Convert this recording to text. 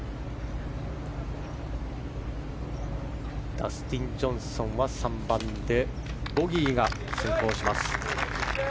ダスティン・ジョンソンは３番でボギーが先行します。